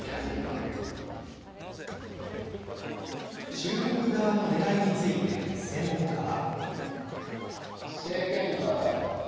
中国側のねらいについて専門家は。